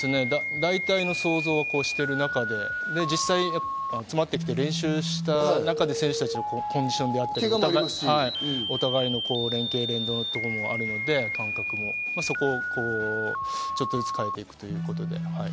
大体の想像を越している中で実際つまってきて、練習して選手たちのコンディションとか、お互いの連係・連動というものもあるので、そこをちょっとずつ変えていくという。